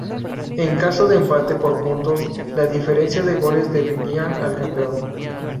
En caso de empate por puntos, la diferencia de goles definía al campeón.